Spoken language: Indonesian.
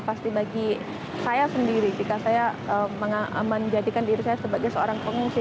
pasti bagi saya sendiri jika saya menjadikan diri saya sebagai seorang pengungsi